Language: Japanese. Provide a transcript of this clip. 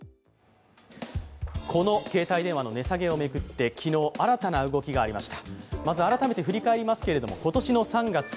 この携帯電話の値下げを巡って昨日、新たな動きがありました。